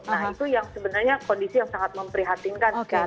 nah itu yang sebenarnya kondisi yang sangat memprihatinkan sekarang